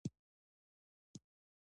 د بیان محدودیت ستونزې جوړوي